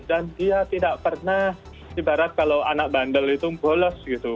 dan dia tidak pernah ibarat kalau anak bandel itu bolos gitu